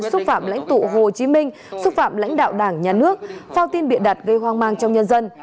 xúc phạm lãnh tụ hồ chí minh xúc phạm lãnh đạo đảng nhà nước phao tin bịa đặt gây hoang mang trong nhân dân